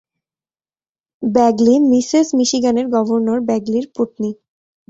Bagley, Mrs মিশিগানের গভর্ণর ব্যাগলির পত্নী।